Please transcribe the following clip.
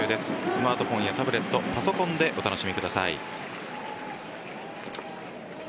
スマートフォンやタブレットパソコンでお楽しみください。